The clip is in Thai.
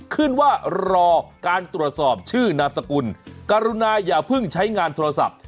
ขึ้นว่ารอการตรวจสอบชื่อนามสกุลกรุณาอย่าเพิ่งใช้งานโทรศัพท์